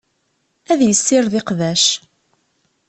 Ad yessired iqbac.